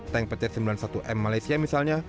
tank pecer sembilan puluh satu m malaysia misalnya